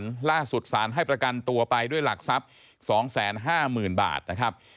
ส่งสารล่าสุดสารให้ประกันตัวไปด้วยหลักทรัพย์สองแสนห้าหมื่นบาทนะครับ